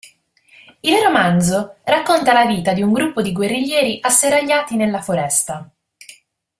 Il romanzo racconta la vita di un gruppo di guerriglieri asserragliati nella foresta.